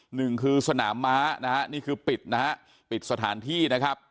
หนึ่งคือสนามม้านะฮะนี่คือปิดนะฮะปิดสถานที่นะครับ